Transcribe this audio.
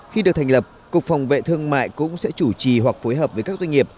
khi được thành lập cục phòng vệ thương mại cũng sẽ chủ trì hoặc phối hợp với các doanh nghiệp